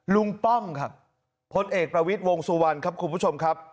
ป้อมครับพลเอกประวิทย์วงสุวรรณครับคุณผู้ชมครับ